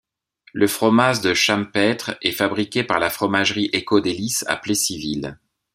Le fromage Le ChamPaître est fabriqué par la fromagerie Éco-Délices à Plessisville.